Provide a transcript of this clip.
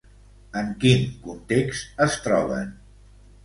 En quin context es troben?